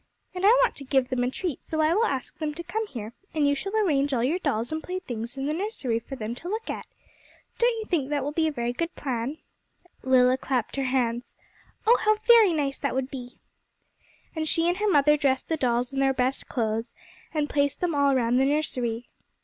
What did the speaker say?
And I want to give them a treat, so I will ask them to come here, and you shall arrange all your dolls and playthings in the nursery for them to look at. Don't you think that will be a very good plan?' Lilla clapped her hands. 'Oh, how very nice that would be!' And she and her mother dressed the dolls in their best clothes, and placed them all round the nursery.